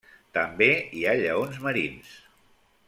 També hi ha lleons marins.